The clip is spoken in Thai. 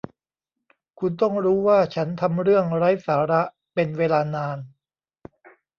คุณต้องรู้ว่าฉันทำเรื่องไร้สาระเป็นเวลานาน